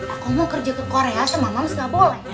aku mau kerja ke korea sama mam gak boleh